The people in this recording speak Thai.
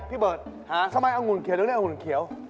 พี่เบิร์ตทำไมอังุณเขียวเรียกว่าอังุณเขียว